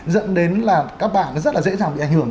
dẫn đến là các bạn rất là dễ dàng bị ảnh hưởng